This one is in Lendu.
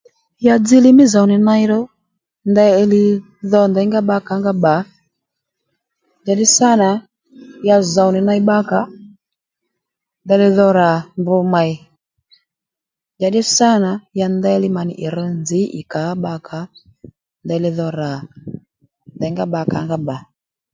Ya dziylíy mí zòw nì ney ro ndeyli dho nděyngá bbàkà ó nga bba njàddí sânà ya zòw nì ney bbakà ò ndeyli dho rà mbr mèy njàddí sânà ya ndeyli mà nì ì rř nzǐ ì kà ó bbakà ó ndeyli dho rà nděyngá bbakà ó nga bbà